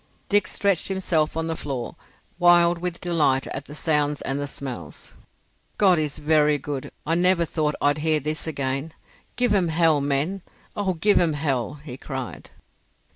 Dick stretched himself on the floor, wild with delight at the sounds and the smells. "God is very good—I never thought I'd hear this again. Give 'em hell, men. Oh, give 'em hell!" he cried.